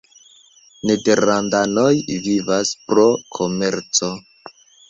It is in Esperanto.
Nederlandanoj vivas pro komerco.